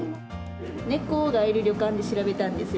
猫がいる旅館で調べたんですよ。